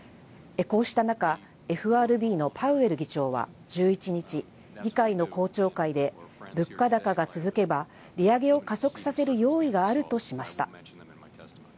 こうしたなか、ＦＲＢのパウエル議長は１１日、議会の公聴会で、物価高が続けば利上げを加速させる用意があるとしました。